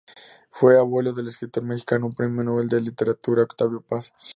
Fue abuelo del escritor mexicano, Premio Nobel de Literatura, Octavio Paz.